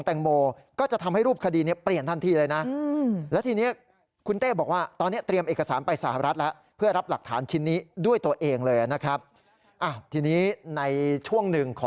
มันมันมันมันมันมันมันมันมันมันมันมันมันมันมัน